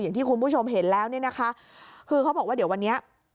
อย่างที่คุณผู้ชมเห็นแล้วเนี่ยนะคะคือเขาบอกว่าเดี๋ยววันนี้